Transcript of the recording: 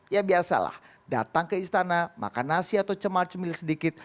ya biasalah datang ke istana makan nasi atau cemal cemil sedikit